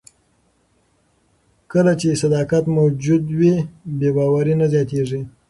کله چې صداقت موجود وي، بې باوري نه زیاتیږي.